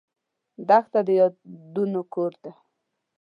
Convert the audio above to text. دښته د یادونو کور ده.